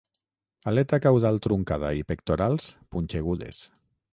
Aleta caudal truncada i pectorals punxegudes.